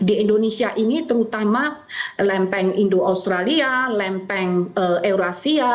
di indonesia ini terutama lempeng indo australia lempeng eurasia